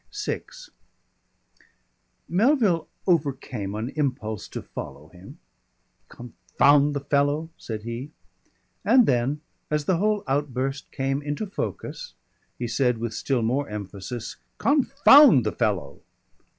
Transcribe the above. VI Melville overcame an impulse to follow him. "Confound the fellow!" said he. And then as the whole outburst came into focus, he said with still more emphasis, "Confound the fellow!"